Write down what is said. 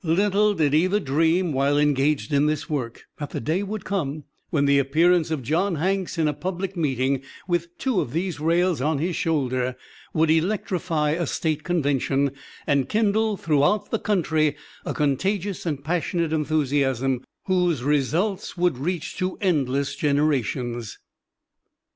Little did either dream, while engaged in this work, that the day would come when the appearance of John Hanks in a public meeting with two of these rails on his shoulder, would electrify a State convention, and kindle throughout the country a contagious and passionate enthusiasm whose results would reach to endless generations."